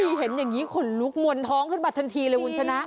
เห็นอย่างนี้ขนลุกมวลท้องขึ้นมาทันทีเลยคุณชนะ